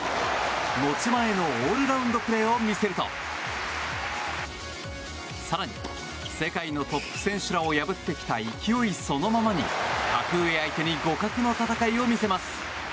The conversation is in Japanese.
持ち前のオールラウンドプレーを見せると更に、世界のトップ選手らを破ってきた勢いそのままに格上相手に互角の戦いを見せます。